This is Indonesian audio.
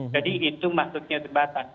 jadi itu maksudnya terbatas